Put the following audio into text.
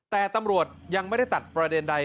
แต่ตำรวจยังไม่ได้ตัดประเด็นใด